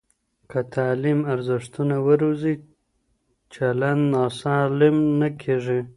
که تعلیم ارزښتونه وروزي، چلند ناسالم نه کېږي.